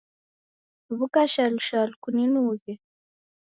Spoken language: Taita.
W'uka shalu shalu kuw'inughe.